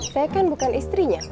saya kan bukan istrinya